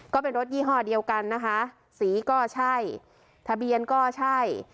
ก็เป็นรถยี่ห้อเดียวกันนะคะสีก็ใช่ทะเบียนก็ใช่